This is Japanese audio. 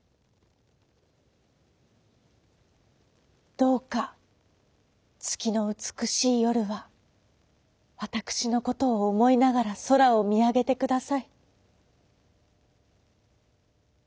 「どうかつきのうつくしいよるはわたくしのことをおもいながらそらをみあげてください」。